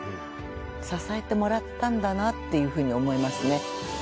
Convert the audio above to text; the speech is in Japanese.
支えてもらったんだなっていうふうに思いますね。